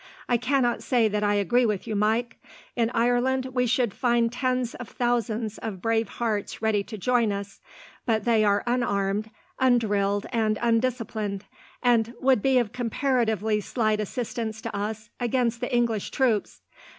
"I cannot say that I agree with you, Mike. In Ireland, we should find tens of thousands of brave hearts ready to join us, but they are unarmed, undrilled, and undisciplined, and would be of comparatively slight assistance to us against the English troops.